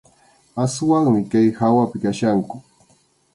Aswanmi kay hawapi kachkanku.